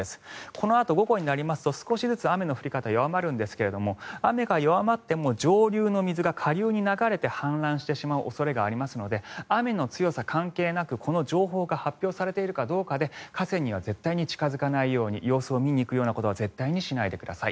このあと午後になりますと少しずつ雨の降り方は弱まるんですが雨が弱まっても上流の水が下流に流れて氾濫してしまう恐れがありますので雨の強さ関係なく、この情報が発表されているかどうかで河川には絶対に近付かないように様子を見に行くようなことは絶対にしないようにしてください。